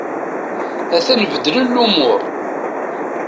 A-t-an beddlen lumur.